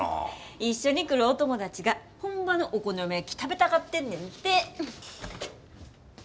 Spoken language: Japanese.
一緒に来るお友達が本場のお好み焼き食べたがってんねんて。